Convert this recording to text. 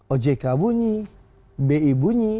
ojk bunyi bi bunyi